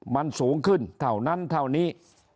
มันสูงขึ้นเท่านั้นเท่านี้